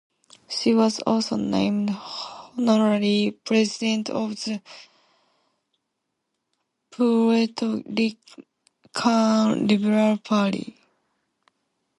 She was also named honorary president of the Puerto Rican Liberal Party.